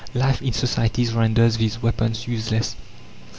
Life in societies renders these weapons useless.